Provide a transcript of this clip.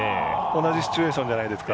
同じシチュエーションじゃないですか。